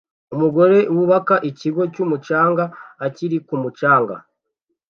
Umugore wubaka ikigo cyumucanga akiri ku mucanga